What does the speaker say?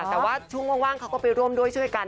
แต่ว่าช่วงว่างเขาก็ไปร่วมด้วยช่วยกัน